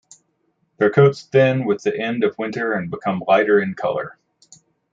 Their coats thin with the end of winter and becomes lighter in color.